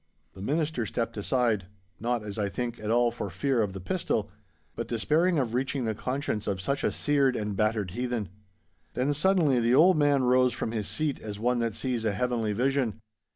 The Minister stepped aside—not, as I think, at all for fear of the pistol, but despairing of reaching the conscience of such a seared and battered heathen. Then suddenly the old man rose from his seat as one that sees a heavenly vision.